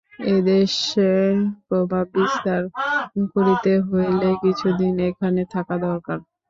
এদেশে প্রভাব বিস্তার করিতে হইলে কিছুদিন এখানে থাকা দরকার।